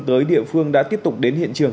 tới địa phương đã tiếp tục đến hiện trường